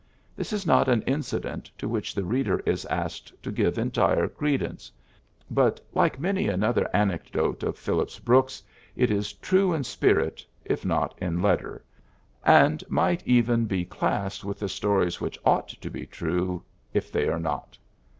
This is not an incident to which the reader is asked to give entire credence ; but, like many another anecdote of Phillips Brooks, it is true in spirit, if not in let ter, and might even be classed with the stories which ought to be true if they are not.